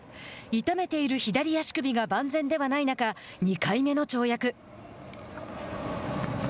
痛めている左足首が万全ではない中２回目の跳躍。